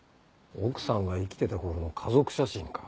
奥さんが生きてた頃の家族写真か。